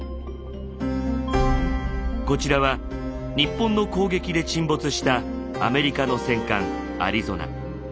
こちらは日本の攻撃で沈没したアメリカの戦艦アリゾナ。